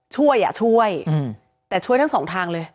ช่วยอ่ะช่วยแต่ช่วยทั้งสองทางเลย